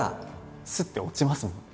スッて落ちますもんね。